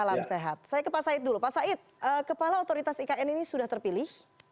salam sehat saya ke pak said dulu pak said kepala otoritas ikn ini sudah terpilih